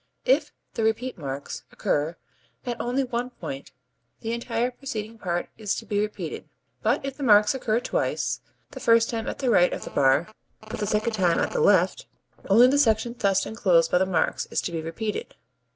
If the repeat marks occur at only one point the entire preceding part is to be repeated, but if the marks occur twice (the first time at the right of the bar but the second time at the left), only the section thus enclosed by the marks is to be repeated.